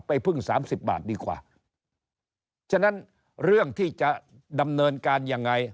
พึ่งสามสิบบาทดีกว่าฉะนั้นเรื่องที่จะดำเนินการยังไง